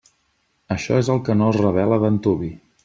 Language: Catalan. Això és el que no es revela d'antuvi.